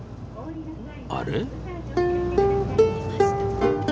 あれ？